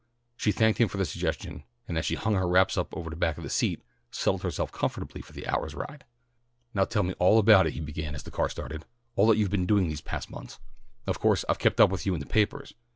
She thanked him for the suggestion, and, as he hung her wraps over the back of the seat, settled herself comfortably for the hour's ride. "Now tell me all about it," he began as the car started. "All that you've been doing these last months. Of course I've kept up with you in the papers.